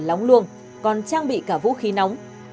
hắn không luôn còn trang bị cả vũ khí nóng